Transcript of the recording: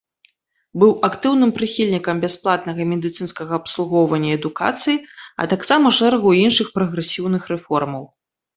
Быў актыўным прыхільнікам бясплатнага медыцынскага абслугоўвання і адукацыі, а таксама шэрагу іншых прагрэсіўных рэформаў.